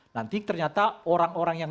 nanti ternyata orang orang yang